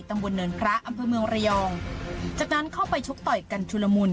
ตำบลเนินพระอำเภอเมืองระยองจากนั้นเข้าไปชกต่อยกันชุลมุน